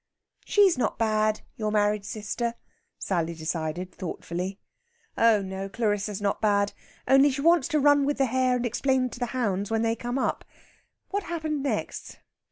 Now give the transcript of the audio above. "She's not bad, your married sister," Sally decided thoughtfully. "Oh no, Clarissa's not bad. Only she wants to run with the hare and explain to the hounds when they come up.... What happened next?